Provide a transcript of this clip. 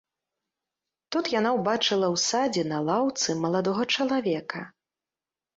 Тут яна ўбачыла ў садзе на лаўцы маладога чалавека.